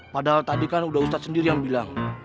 padahal tadi kan udah ustadz sendiri yang bilang